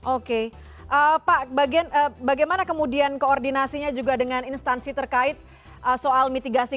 oke pak bagaimana kemudian koordinasinya juga dengan instansi terkait soal mitigasi